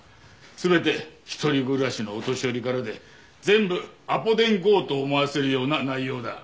全て一人暮らしのお年寄りからで全部アポ電強盗を思わせるような内容だ。